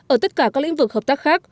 ở tất cả các lĩnh vực hợp tác khác